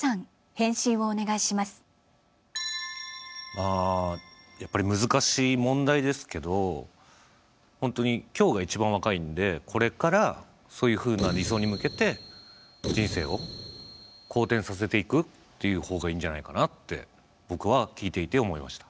まあやっぱり難しい問題ですけど本当に今日が一番若いんでこれからそういうふうなというほうがいいんじゃないかなって僕は聞いていて思いました。